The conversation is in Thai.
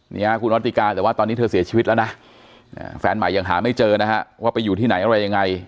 นี่ฮะคุณวัติกาแต่ว่าตอนนี้เธอเสียชีวิตแล้วนะแฟนใหม่ยังหาไม่เจอนะฮะว่าไปอยู่ที่ไหนอะไรยังไง